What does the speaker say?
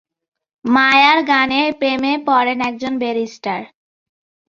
মায়ার গানের প্রেমে পড়েন একজন ব্যারিস্টার।